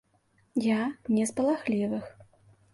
Я не з палахлівых.